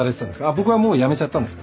あっ僕はもう辞めちゃったんです。